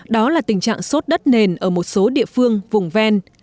đó là tình trạng sốt đất nền ở một số địa phương vùng ven